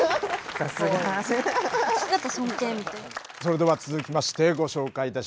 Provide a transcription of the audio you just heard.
さすが！それでは続きましてご紹介いたしましょう。